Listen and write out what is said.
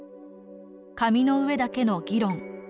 紙の上だけの議論